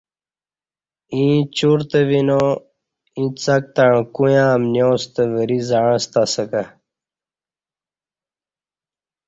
ییں چورتہ وینا، ایں څک تݩع کویاں امنیاں ستہ وری زعںستہ اسہ کہ